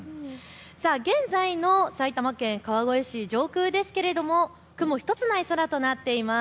現在の埼玉県川越市上空ですけれども雲一つない空となっています。